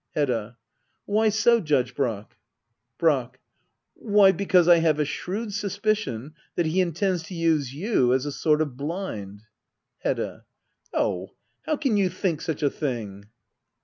Hedda. Why so, Judge Brack ? Brack. Why, because I have a shrewd suspicion that he intends to use you as a sort of blind. Hedda. Oh, how can you think such a thing